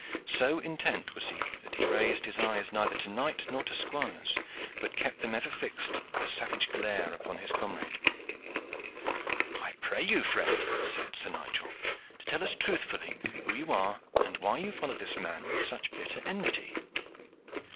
So intent was he that he raised his eyes neither to knight nor squires, but kept them ever fixed with a savage glare upon his comrade. "I pray you, friend," said Sir Nigel, "to tell us truthfully who you are, and why you follow this man with such bitter enmity?"